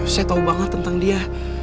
saya tahu banget tentang dia